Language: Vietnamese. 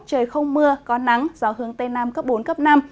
trời không mưa có nắng gió hướng tây nam cấp bốn cấp năm